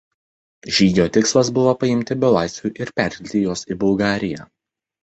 Žygio tikslas buvo paimti belaisvių ir perkelti juos į Bulgariją.